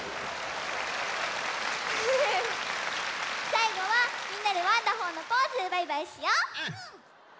さいごはみんなで「ワンダホー！」のポーズでバイバイしよう！